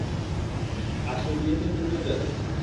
আর সেই বিয়েতে তুমিও যাবে।